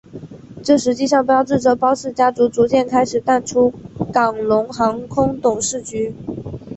这实际上标志着包氏家族逐渐开始淡出港龙航空董事局。